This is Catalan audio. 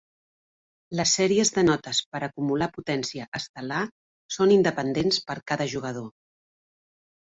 Les sèries de notes per acumular potència estel·lar són independents per cada jugador.